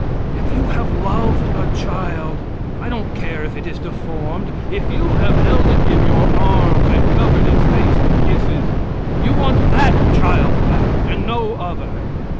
If you have loved a child, I don't care if it is deformed, if you have held it in your arms and covered its face with kisses, you want that child back and no other.